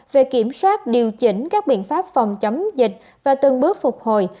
về kiểm soát điều chỉnh các biện pháp phòng chống dịch và từng bước phục hồi